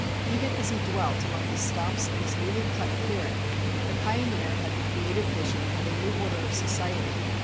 Even as he dwelt among the stumps of his newly cut clearing, the pioneer had the creative vision of a new order of society.